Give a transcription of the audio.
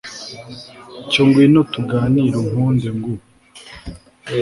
cyo ngwino tuganire unkunde ngu